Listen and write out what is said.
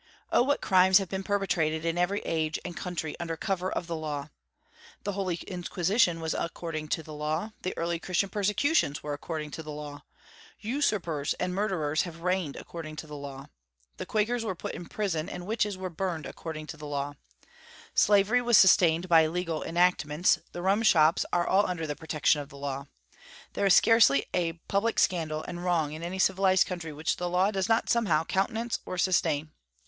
Oh, what crimes have been perpetrated in every age and country under cover of the law! The Holy Inquisition was according to law; the early Christian persecutions were according to law; usurpers and murderers have reigned according to law; the Quakers were put in prison, and witches were burned according to law. Slavery was sustained by legal enactments; the rum shops are all under the protection of the law. There is scarcely a public scandal and wrong in any civilized country which the law does not somehow countenance or sustain.